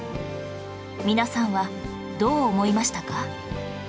皆さんはどう思いましたか？